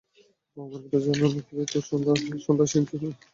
বাবা মায়েরা জানে না কীভাবে তারা তাদের শিশু সন্তানকে আশ্বস্ত করবে।